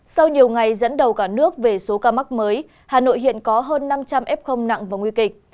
sau nhiều ngày dẫn đầu cả nước về số ca mắc mới hà nội hiện có hơn năm trăm linh f nặng và nguy kịch